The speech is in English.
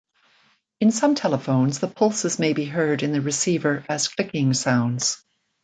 In some telephones, the pulses may be heard in the receiver as clicking sounds.